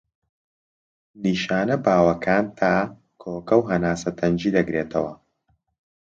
نیشانە باوەکان تا، کۆکە و هەناسە تەنگی دەگرێتەوە.